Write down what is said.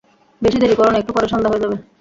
বেশি দেরি করো না, একটু পরেই সন্ধ্যা হয়ে যাবে।